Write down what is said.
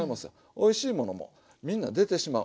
おいしいものもみんな出てしまう。